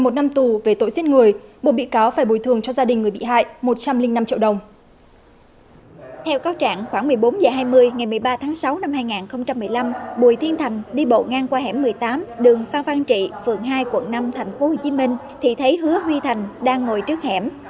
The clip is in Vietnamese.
theo cáo trạng khoảng một mươi bốn h hai mươi ngày một mươi ba tháng sáu năm hai nghìn một mươi năm bùi thiên thành đi bộ ngang qua hẻm một mươi tám đường phan văn trị phường hai quận năm tp hcm thì thấy hứa huy thành đang ngồi trước hẻm